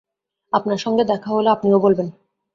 আপনার সঙ্গে দেখা হলে আপনিও বলবেন।